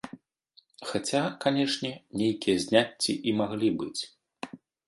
Хаця, канечне, нейкія зняцці і маглі быць.